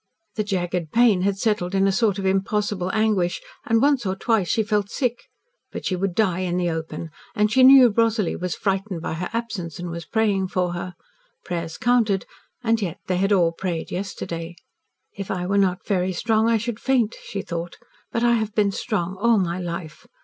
The jagged pain had settled in a sort of impossible anguish, and once or twice she felt sick. But she would die in the open and she knew Rosalie was frightened by her absence, and was praying for her. Prayers counted and, yet, they had all prayed yesterday. "If I were not very strong, I should faint," she thought. "But I have been strong all my life.